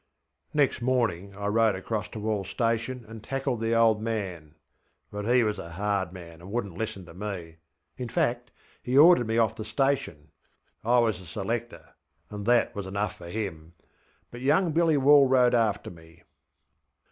ŌĆÖ Next morning I rode across to WallŌĆÖs station and tackled the old man; but he was a hard man, and wouldnŌĆÖt listen to meŌĆöin fact, he ordered me off the station. I was a selector, and that was enough for him. But young Billy Wall rode after me.